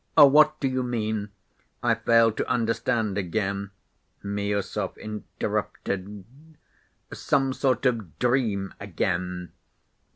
"What do you mean? I fail to understand again," Miüsov interrupted. "Some sort of dream again.